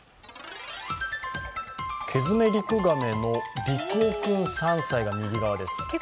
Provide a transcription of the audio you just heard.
ケヅメリクガメのリクオ君３歳が右側です。